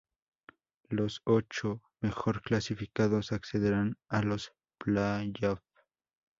Los ocho mejor clasificados accederán a los playoffs.